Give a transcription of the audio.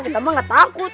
kita mah nggak takut